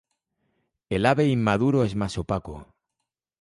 El ave inmaduro es más opaco.